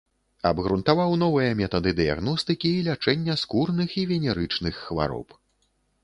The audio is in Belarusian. Абгрунтаваў новыя метады дыягностыкі і лячэння скурных і венерычных хвароб.